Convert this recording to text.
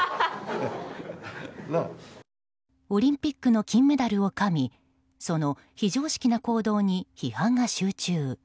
オリンピックの金メダルをかみその非常識な行動に批判が集中。